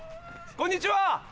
こんにちは。